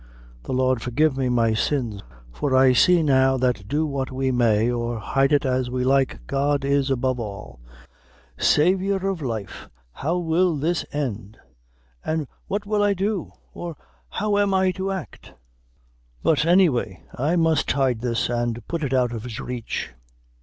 The Lord forgive me my sins! for I see now that do what we may, or hide it as we like, God is above all! Saviour of life, how will this end? an' what will I do? or how am I to act? But any way, I must hide this, and put it out of his reach."